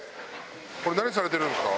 これ、何されてるんですか？